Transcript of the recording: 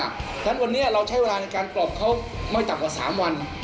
เพราะฉะนั้นวันนี้เราใช้เวลาในการกรอกเขาไม่ต่ำกว่า๓วัน